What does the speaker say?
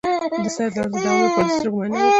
د سر درد د دوام لپاره د سترګو معاینه وکړئ